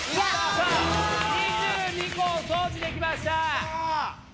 さあ２２個おそうじできました。